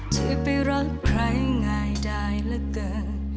จะไปรักใครง่ายได้เหลือเกิน